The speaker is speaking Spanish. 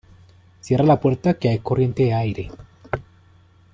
Cierra la puerta que hay corriente de aire.